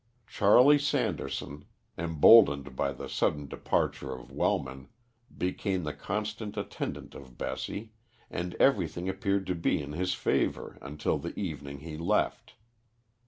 Charley Sanderson, emboldened by the sudden departure of Wellman, became the constant attendant of Bessie, and everything appeared to be in his favour until the evening he left.